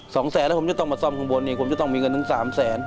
สองแสนแล้วผมจะต้องมาซ่อมข้างบนเนี่ยผมจะต้องมีเงินถึงสามแสน